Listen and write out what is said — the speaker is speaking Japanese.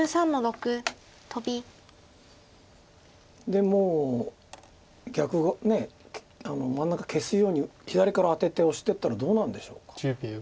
でもうねえ真ん中消すように左からアテてオシていったらどうなるんでしょうか。